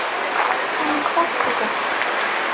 Sami ɣuṛ-s ẓhaṛ.